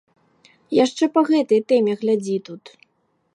Яшчэ па гэтай тэме глядзі тут.